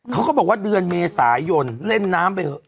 เขาก็บอกว่าเดือนเมษายนเล่นน้ำไปเถอะ